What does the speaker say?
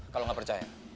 kalau gak percaya